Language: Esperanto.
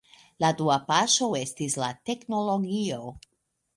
La dua paŝo estis la teknologio.